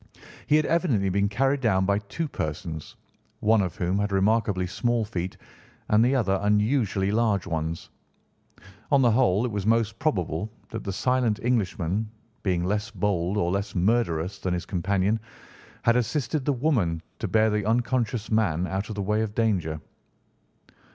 He had evidently been carried down by two persons, one of whom had remarkably small feet and the other unusually large ones. On the whole, it was most probable that the silent Englishman, being less bold or less murderous than his companion, had assisted the woman to bear the unconscious man out of the way of danger.